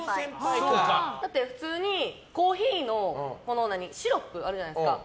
だって普通に、コーヒーのシロップあるじゃないですか。